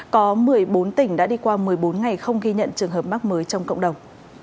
có một mươi bốn tỉnh đã đi qua một mươi bốn ngày không ghi nhận trường hợp mắc mới trong cộng đồng